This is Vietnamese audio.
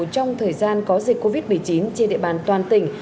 trong thời gian có dịch covid một mươi chín trên địa bàn toàn tỉnh